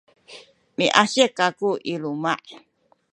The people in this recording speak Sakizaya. miasik kaku i luma’.